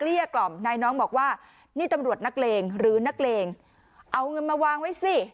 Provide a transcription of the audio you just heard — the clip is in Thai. ล้างเฟลาก์มาเอาไข่ผีนี่